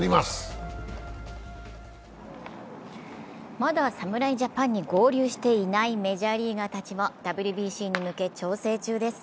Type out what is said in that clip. まだ侍ジャパンに合流していないメジャーリーガーたちもＷＢＣに向け調整中です。